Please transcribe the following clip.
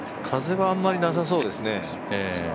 風はあまりなさそうですね。